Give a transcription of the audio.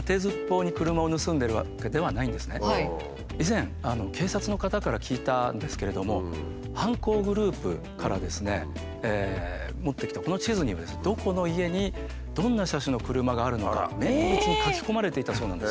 以前警察の方から聞いたんですけれども犯行グループからですね持ってきたこの地図にはどこの家にどんな車種の車があるのか綿密に書き込まれていたそうなんですね。